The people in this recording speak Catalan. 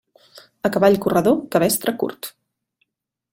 A cavall corredor, cabestre curt.